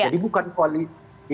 jadi bukan koalisi